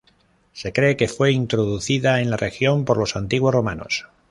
Se cree que fue introducida en la región por los antiguos romanos.